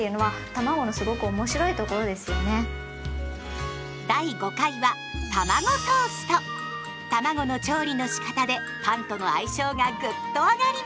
たまごの調理のしかたでパンとの相性がグッと上がります。